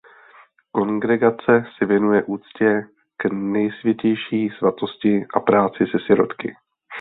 Kongregace se věnuje úctě k Nejsvětější svátosti a práci se sirotky.